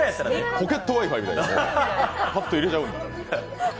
ポケットＷｉ−Ｆｉみたいにパッと入れちゃうんだ。